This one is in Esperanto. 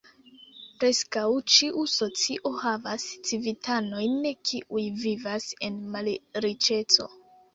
Preskaŭ ĉiu socio havas civitanojn kiuj vivas en malriĉeco.